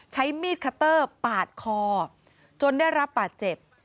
ใช้มีดคัตเตอร์ปาดคอจนได้รับบาดเจ็บ